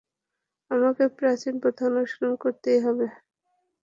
আমাকে প্রাচীন প্রথা অনুসরণ করতেই হবে।